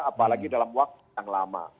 apalagi dalam waktu yang lama